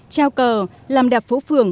trao cờ làm đẹp phố phường